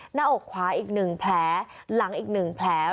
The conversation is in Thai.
หน้าอกขวาอีก๑แผลหลังอีก๑แผล